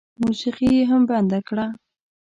موسيقي یې هم بنده کړه.